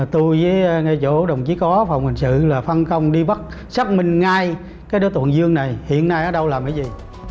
tôi với ngay chỗ đồng chí có phòng hình sự là phân công đi bắt xác minh ngay cái đối tượng dương này hiện nay ở đâu làm cái gì